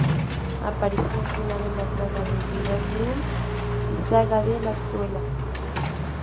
Aparece mencionado en la "saga de Víga-Glúms", y "saga de Laxdœla".